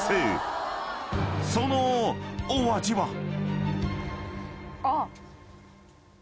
［そのお味は？］